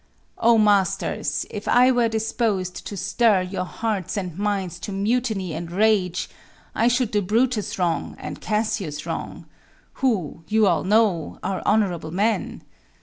Oh, masters! if I were dispos'd to stir Your hearts and minds to mutiny and rage, I should do Brutus wrong, and Cassius wrong, Who, you all know, are honorable men.